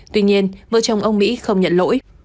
tuy nhiên vợ chồng ông mỹ không nhận lỗi